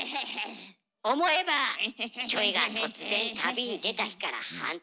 思えばキョエが突然旅に出た日から半年。